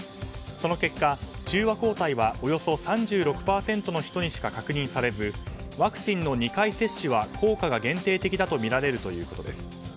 その結果、中和抗体はおよそ３６％の人にしか確認されずワクチンの２回接種は効果が限定的だとみられるということです。